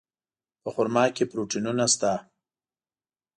په خرما کې پروټینونه شته.